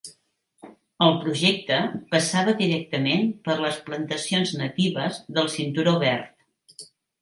El projecte passava directament per les plantacions natives del Cinturó verd.